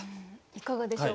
いかがでしょう？